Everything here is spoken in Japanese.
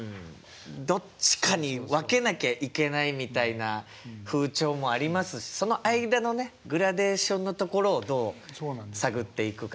どっちかに分けなきゃいけないみたいな風潮もありますしその間のねグラデーションのところをどう探っていくかという。